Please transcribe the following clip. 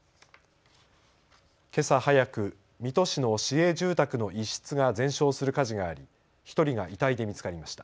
けさ早く、水戸市の市営住宅の一室が全焼する火事があり１人が遺体で見つかりました。